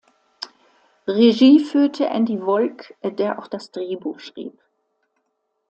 Regie führte Andy Wolk, der auch das Drehbuch schrieb.